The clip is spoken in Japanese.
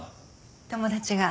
友達が。